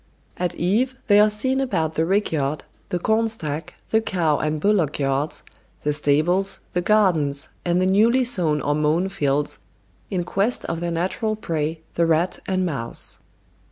At eve they are seen about the rick yard, the corn stack, the cow and bullock yards, the stables, the gardens, and the newly sown or mown fields, in quest of their natural prey, the rat and mouse.